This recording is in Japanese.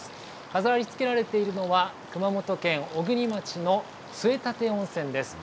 飾りつけられているのは、熊本県小国町の杖立温泉です。